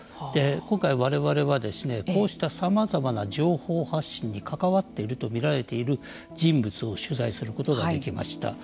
今回われわれはですねこうしたさまざまな情報発信に関わっていると見られている人物を取材することができました。